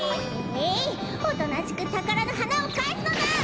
ええいおとなしくたからのはなをかえすのだ。